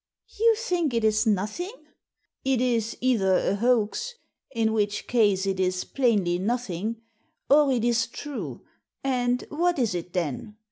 " You think it is nothing." " It is either a hoax — in which case it is plainly nothing, or it is true — and what is it then?